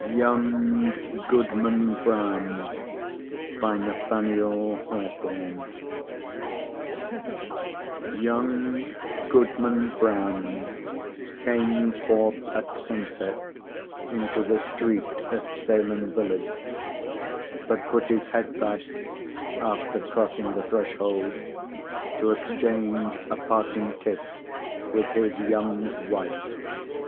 YOUNG GOODMAN BROWN Young Goodman Brown came forth at sunset into the street at Salem village; but put his head back, after crossing the threshold, to exchange a parting kiss with his young wife.